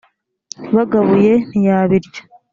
bagabuye ntiyabirya